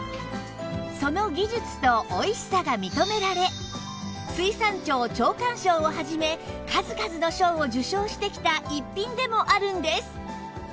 その技術とおいしさが認められ水産庁長官賞を始め数々の賞を受賞してきた逸品でもあるんです！